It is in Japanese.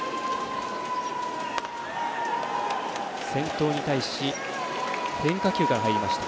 先頭に対し変化球から入りました。